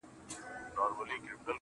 • ستا خــوله كــي ټــپه اشــنا.